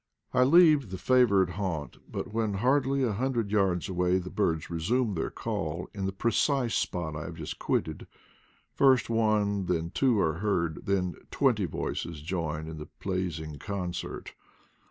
I leave the favored haunt, but when hardly a hundred yards away the birds resume their call in the precise spot I have just quitted; first one and then two are heard, then twenty voices join in the pleasing concert.